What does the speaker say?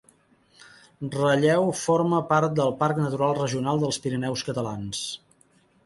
Ralleu forma part del Parc Natural Regional dels Pirineus Catalans.